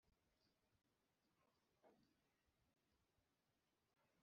-Umugezi utemba ugasiga amabuye.